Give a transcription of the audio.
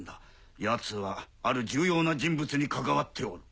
奴はある重要な人物に関わっておる。